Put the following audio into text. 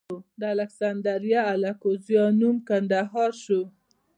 د الکسندریه اراکوزیا نوم کندهار شو